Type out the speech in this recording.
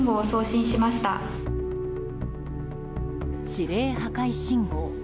指令破壊信号。